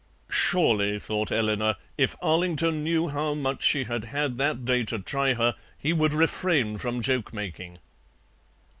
Surely, thought Eleanor, if Arlington knew how much she had had that day to try her, he would refrain from joke making.